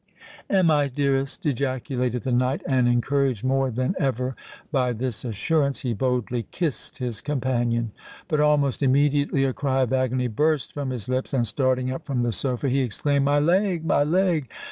"Am I, dearest!" ejaculated the knight; and, encouraged more than ever by this assurance, he boldly kissed his companion. But almost immediately a cry of agony burst from his lips; and, starting up from the sofa, he exclaimed, "My leg! my leg!